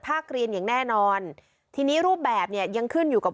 เรียนอย่างแน่นอนทีนี้รูปแบบเนี่ยยังขึ้นอยู่กับ